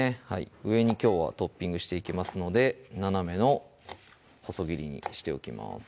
上にきょうはトッピングしていきますので斜めの細切りにしておきます